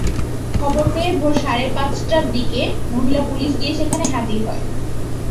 খবর পেয়ে ভোর সাড়ে পাঁচটার দিকে মহিলা পুলিশ গিয়ে সেখানে হাজির হয়।